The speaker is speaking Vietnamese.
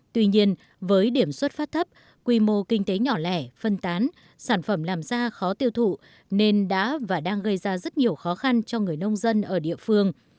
tuy nhiên với điểm xuất phát thấp quy mô kinh tế nhỏ lẻ phân tán sản phẩm làm ra khó tiêu thụ nên đã và đang gây ra rất nhiều khó khăn cho người nông dân ở địa phương